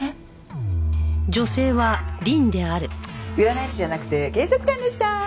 占い師じゃなくて警察官でした！